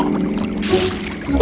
oh aku tahu harus apa